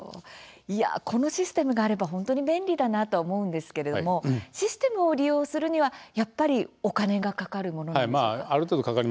このシステムがあれば本当に便利だなと思うんですけれどもシステムを利用するにはやっぱりお金がかかるものなんでしょうか。